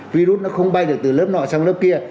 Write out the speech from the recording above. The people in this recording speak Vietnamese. virus nó không bay được từ lớp nọ sang lớp kia